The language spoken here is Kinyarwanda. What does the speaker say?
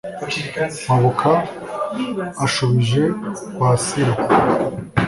mpabuka ashubije kwasira.